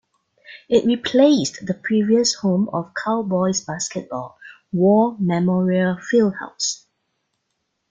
It replaced the previous home of Cowboys basketball, War Memorial Fieldhouse.